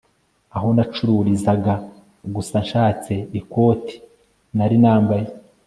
aho nacurizaga gusa nshatse ikoti nari nambaye